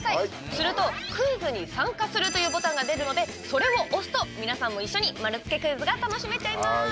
すると、クイズに参加するというボタンが出るのでそれを押すと皆さんも一緒に丸つけクイズが楽しめちゃいます。